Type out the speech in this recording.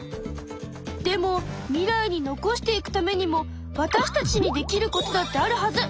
でも未来に残していくためにもわたしたちにできることだってあるはず！